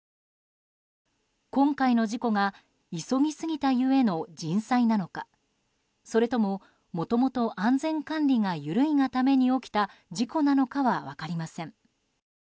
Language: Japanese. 今回の事故が急ぎすぎたゆえの人災なのかそれとも、もともと安全管理が緩いがために起きた事故なのかは分かりません。